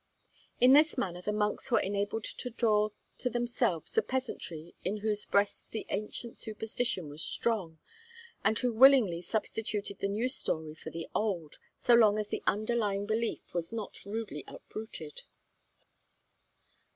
In this manner the monks were enabled to draw to themselves the peasantry in whose breasts the ancient superstition was strong, and who willingly substituted the new story for the old, so long as the underlying belief was not rudely uprooted.